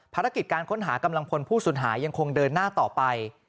ภารกิจการค้นหากำลังพลผู้สูญหายยังคงเดินหน้าต่อไป